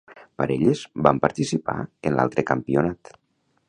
Parelles van participar en l'altre campionat.